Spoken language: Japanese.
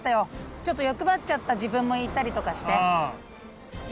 ちょっと欲張っちゃった自分もいたりとかして。